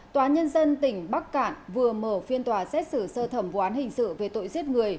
tòa nhân dân tỉnh bắc cạn vừa mở phiên tòa xét xử sơ thẩm vụ án hình sự về tội giết người